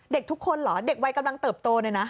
เด็กทุกคนเหรอเด็กวัยกำลังเติบโตเลยนะ